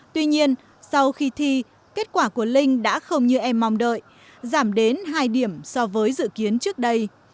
tuy nhiên sau khi thi kết quả của linh đã không như em mong đợi giảm đến hai điểm so với dự kiến trước đây